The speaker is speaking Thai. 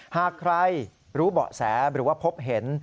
หากใครรู้เบาะแสหรือว่าพบเห็น